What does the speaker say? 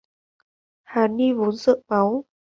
Hà ni vốn sợ máu